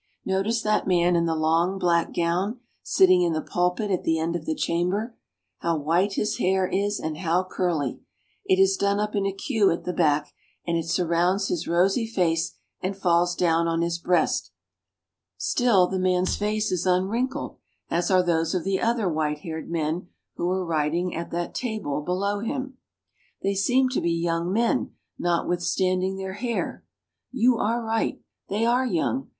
Notice that man in the long black gown sitting in the pulpit at the end of the chamber. How white his hair is and how curly ; it is done up in a queue at the back, and it surrounds his rosy face and falls down on his breast. Still, the man's face is unwrinkled, as are those of the other white haired men who are writing at that table «m m 14 — the great rectangular pit where the House meets." below him. They seem to be young men notwithstanding their hair. You are right. They are young.